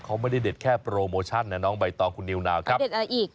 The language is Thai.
เขาไม่ได้เด็ดแค่โปรโมชั่นนะน้องใบตองคุณนิวนาวครับเด็ดอะไรอีก